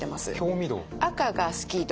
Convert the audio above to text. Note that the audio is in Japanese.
赤が好き度。